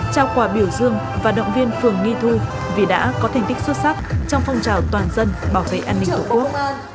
trao quà biểu dương và động viên phường nghi thu vì đã có thành tích xuất sắc trong phong trào toàn dân bảo vệ an ninh tổ quốc